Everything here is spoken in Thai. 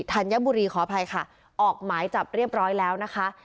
ธัญบุรีขออภัยค่ะออกหมายจับเรียบร้อยแล้วนะคะ